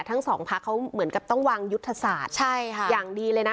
ทั้งสองพักเขาเหมือนกับต้องวางยุทธศาสตร์ใช่ค่ะอย่างดีเลยนะ